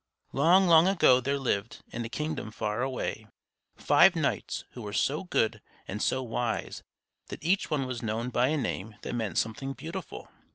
Long, long ago there lived, in a kingdom far away, five knights who were so good and so wise that each one was known by a name that meant something beautiful.